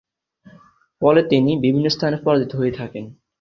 ফলে তিনি বিভিন্ন স্থানে পরাজিত হতে থাকেন।